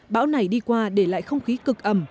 bão này đi qua để lại không khí cực ẩm